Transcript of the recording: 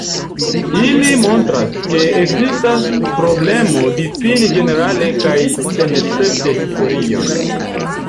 Ili montras, ke ekzistas problemo difini ĝenerale kaj senescepte historion.